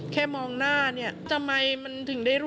แค่มองหน้าเนี่ย